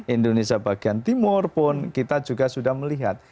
indonesia bagian timur pun kita juga sudah melihat